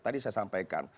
tadi saya sampaikan